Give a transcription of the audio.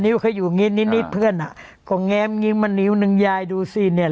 เคยอยู่อย่างนี้นิดนิดเพื่อนอ่ะก็แง้มงิ้มมานิ้วนึงยายดูสิเนี่ย